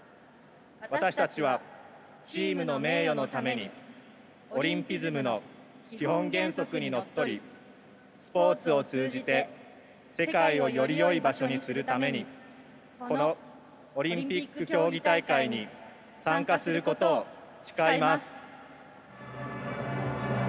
私たちはチームの名誉のためにオリンピズムの基本原則にのっとりスポーツを通じて世界をよりよい場所にするためにこのオリンピック競技大会に参加することを誓います。